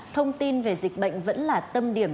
thông tin về dịch bệnh vẫn là tâm điểm